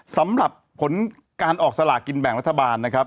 สำหรับผลการออกสลากินแบ่งรัฐบาลนะครับ